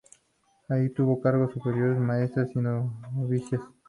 Allí tuvo cargo de Superiora y Maestra de Novicias.